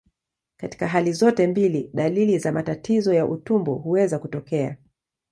Katika hali zote mbili, dalili za matatizo ya utumbo huweza kutokea.